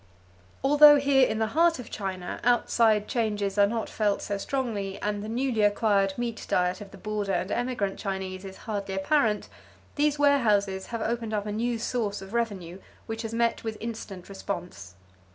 Although here in the heart of China, outside changes are not felt so strongly and the newly acquired meat diet of the border and emigrant Chinese is hardly apparent, these warehouses have opened up a new source of revenue, which has met with instant response.